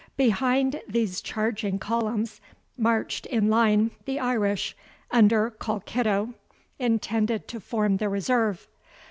Behind these charging columns marched in line the Irish, under Colkitto, intended to form the reserve.